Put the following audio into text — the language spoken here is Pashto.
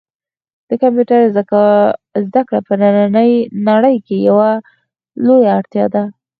د کمپیوټر زده کړه په نننۍ نړۍ کې یوه لویه اړتیا ده.